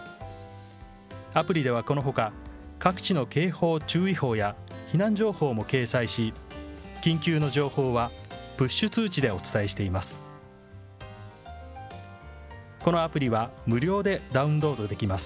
アプリではこのほか各地の警報・注意報や避難情報も掲載し、緊急の情報はプッシュ通知でお伝えしています。